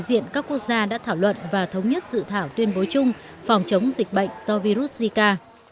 đại diện các quốc gia đã thảo luận và thống nhất dự thảo tuyên bố chung phòng chống dịch bệnh do virus zika